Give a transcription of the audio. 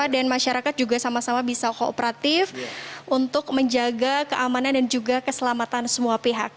dan masyarakat juga sama sama bisa kooperatif untuk menjaga keamanan dan juga keselamatan semua pihak